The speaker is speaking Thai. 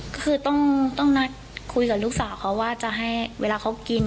ก็คือต้องนัดคุยกับลูกสาวเขาว่าจะให้เวลาเขากิน